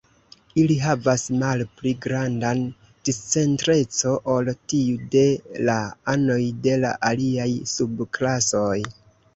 Ili havas malpli grandan discentreco ol tiu de la anoj de la aliaj sub-klasoj.